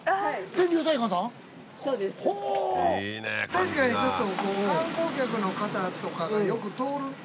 確かにちょっと。